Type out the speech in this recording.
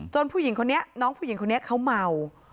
จนน้องผู้หญิงคนนี้เขาเมา